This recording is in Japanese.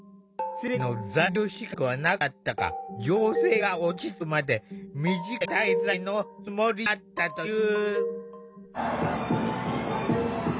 正規の在留資格はなかったが情勢が落ち着くまで短い滞在のつもりだったという。